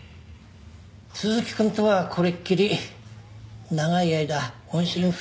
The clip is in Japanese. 鈴木くんとはこれっきり長い間音信不通でした。